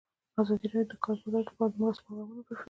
ازادي راډیو د د کار بازار لپاره د مرستو پروګرامونه معرفي کړي.